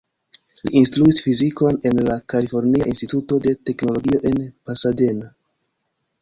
Li instruis fizikon en la Kalifornia Instituto de Teknologio en Pasadena.